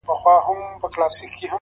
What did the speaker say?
خداى خو دي وكړي چي صفا له دره ولويـــږي،